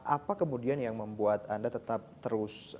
apa kemudian yang membuat anda tetap terus